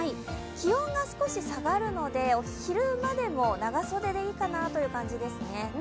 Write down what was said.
気温が少し下がるので、昼間でも長袖でいいかなという感じですね。